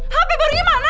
hp barunya mana